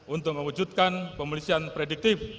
untuk mewujudkan pemelisian prediktif